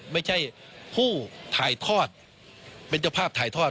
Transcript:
ไม่ใช่ผู้ถ่ายทอดเป็นเจ้าภาพถ่ายทอด